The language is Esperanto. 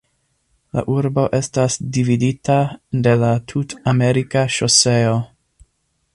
La urbo estas dividita de la Tut-Amerika Ŝoseo.